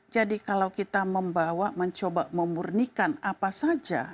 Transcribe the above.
jadi kalau kita membawa mencoba memurnikan apa saja